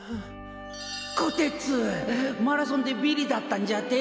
こてつマラソンでビリだったんじゃって？